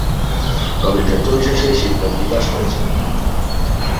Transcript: তবে ক্ষেত্রবিশেষে শিল্পের বিকাশ হয়েছে।